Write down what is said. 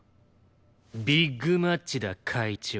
ビッグマッチだ会長。